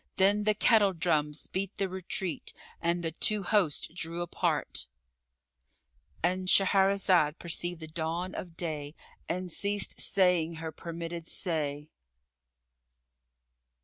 Then the kettle drums beat the retreat, and the two hosts drew apart,——And Shahrazad perceived the dawn of day and ceased saying her permitted say.